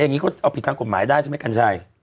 อย่างนี้เขาเอาผิดทางกฎหมายได้ใช่ไหมกัญชัย